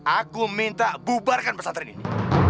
aku minta bubarkan pesantren ini